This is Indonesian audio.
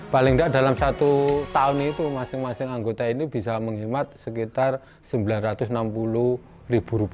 paling tidak dalam satu tahun itu masing masing anggota ini bisa menghemat sekitar rp sembilan ratus enam puluh